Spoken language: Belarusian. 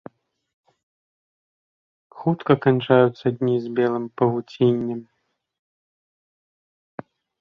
Хутка канчаюцца дні з белым павуціннем.